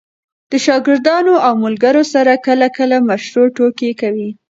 د شاګردانو او ملګرو سره کله – کله مشروع ټوکي کوئ!